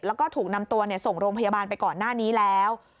แล้วก็ถูกนำตัวส่งโรงพยาบาลไปก่อนหน้านี้แล้ว